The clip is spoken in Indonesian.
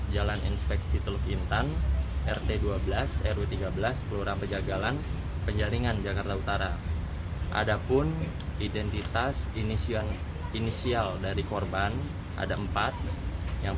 jangan lupa like share dan subscribe ya